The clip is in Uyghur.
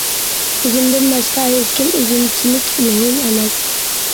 ئۆزۈمدىن باشقا ھېچكىم ئۆزۈمچىلىك مۇھىم ئەمەس.